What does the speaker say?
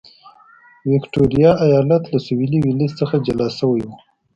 ویکټوریا ایالت له سوېلي ویلز څخه جلا شوی و.